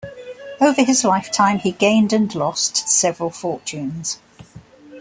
Over his lifetime he gained and lost several fortunes.